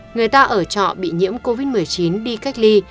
người ta ở trọ bị nhiễm covid một mươi chín đi cách ly